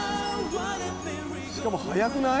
しかも速くない？